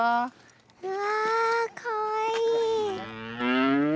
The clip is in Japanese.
うわかわいい。